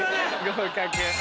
合格！